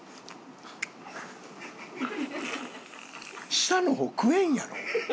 下の方食えんやろ？